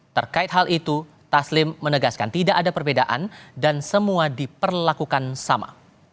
terkait hal itu taslim menegaskan tidak ada perbedaan dan semua diperlakukan sama